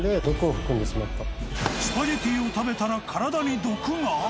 スパゲティを食べたら体に毒が？